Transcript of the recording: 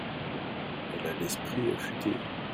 elle a l'esprit affuté.